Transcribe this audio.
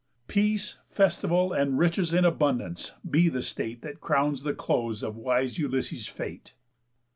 _Peace, festival, And riches in abundance, be the state That crowns the close of wise Ulysses' Fate."